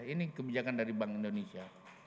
ini kebijakan dari bank indonesia